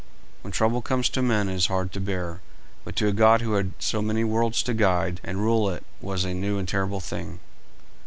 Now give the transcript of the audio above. When trouble comes to men it is hard to bear, but to a god who had so many worlds to guide and rule it was a new and terrible thing.